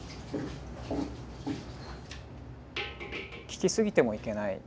聞き過ぎてもいけない。